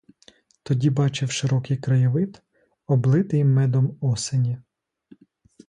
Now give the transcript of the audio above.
Тоді бачив широкий краєвид, облитий медом осені.